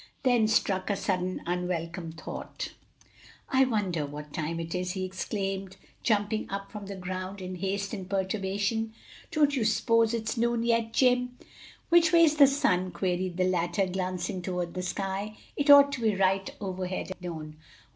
Then struck with a sudden unwelcome thought, "I wonder what time it is!" he exclaimed, jumping up from the ground in haste and perturbation. "Do you s'pose it's noon yet, Jim?" "Which way's the sun?" queried the latter, glancing toward the sky; "it ought to be right overhead at noon.